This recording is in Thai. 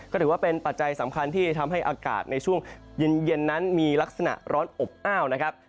ก็ถือว่าเป็นปัจจัยสำคัญที่ทำให้อากาศในช่วงเย็นนั้นมีลักษณะร้อนอบอ้าวนะครับ